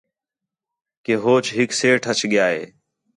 کہ ہوچ ہِک سیٹھ اَچ ڳِیا ہِے